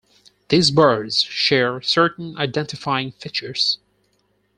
These birds share certain identifying features.